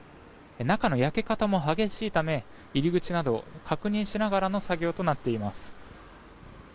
中の焼け方も激しいため入り口など確認しながらの作業となっています。